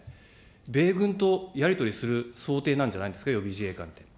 米軍とやり取りするなんじゃないですか、予備自衛官って。